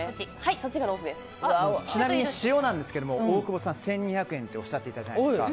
ちなみに塩なんですけど大久保さん、１２００円っておっしゃっていたじゃないですか。